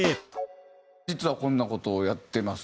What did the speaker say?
実はこんな事をやってます